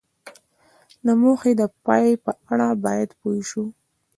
د موخې د پای په اړه باید پوه شو.